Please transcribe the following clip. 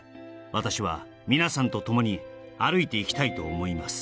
「私はみなさんと共に歩いて行きたいと思います」